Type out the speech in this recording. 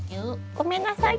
ごめんなさい。